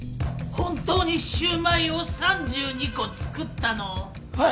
本当にシューマイを３２こ作ったの⁉はい。